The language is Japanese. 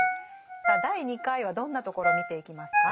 さあ第２回はどんなところを見ていきますか？